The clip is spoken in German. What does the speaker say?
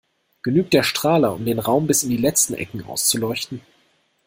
Genügt der Strahler, um den Raum bis in die letzten Ecken auszuleuchten?